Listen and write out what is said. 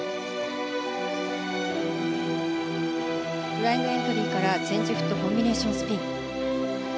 フライングエントリーからチェンジフットコンビネーションスピン。